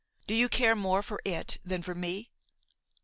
Do you care more for it than for me?"